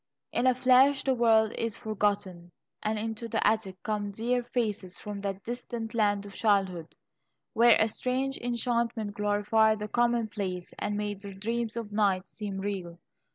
In a flash the world is forgotten, and into the attic come dear faces from that distant land of childhood, where a strange enchantment glorified the commonplace, and made the dreams of night seem real.